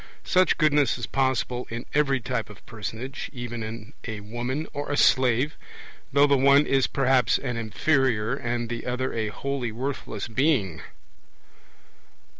Such goodness is possible in every type of personage, even in a woman or a slave, though the one is perhaps an inferior, and the other a wholly worthless being.